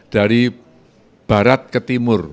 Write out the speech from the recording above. dari barat ke timur